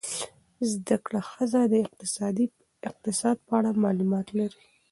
زده کړه ښځه د اقتصاد په اړه معلومات لري.